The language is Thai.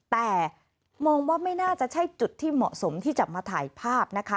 แต่มองว่าไม่น่าจะใช่จุดที่เหมาะสมที่จะมาถ่ายภาพนะคะ